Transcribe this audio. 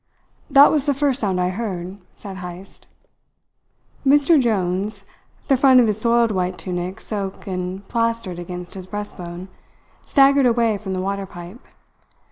"That was the first sound I heard," said Heyst. Mr Jones, the front of his soiled white tunic soaked and plastered against his breast bone, staggered away from the water pipe.